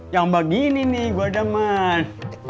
yang begini nih gue demen